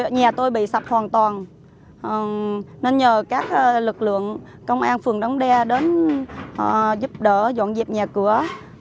nhà tôi bị sập hoàn toàn nên nhờ các lực lượng công an phường đống đa đến giúp đỡ dọn dẹp nhà cửa